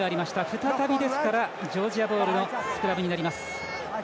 再び、ジョージアボールのスクラムになります。